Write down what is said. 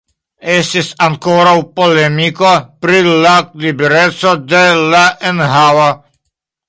Estis ankoraŭ polemiko pri la libereco de la enhavo.